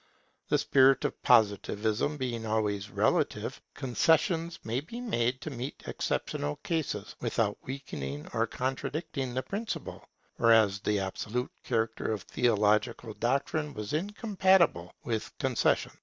The spirit of Positivism being always relative, concessions may be made to meet exceptional cases, without weakening or contradicting the principle; whereas the absolute character of theological doctrine was incompatible with concession.